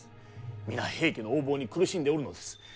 皆平家の横暴に苦しんでおるのです。